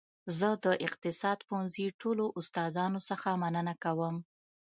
زه د اقتصاد پوهنځي ټولو استادانو څخه مننه کوم